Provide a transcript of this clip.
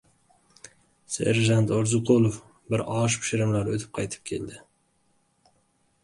Serjant Orziqulov bir osh pishirimlar o‘tib qaytib keldi.